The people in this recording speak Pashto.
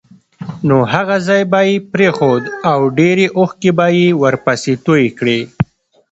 نو هغه ځای به یې پرېښود او ډېرې اوښکې به یې ورپسې تویې کړې.